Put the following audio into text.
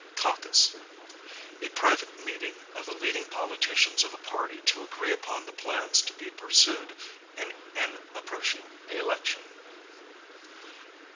Caucus, a private meeting of the leading politicians of a party to agree upon the plans to be pursued in an approaching election.